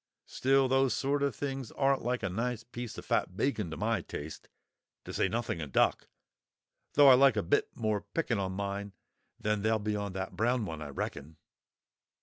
Still, those sort of things aren't like a nice piece of fat bacon to my taste, to say nothing of duck; though I like a bit more picking on mine than they'll be on that brown one, I reckon."